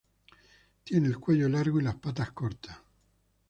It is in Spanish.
Tiene el cuello largo y las patas cortas.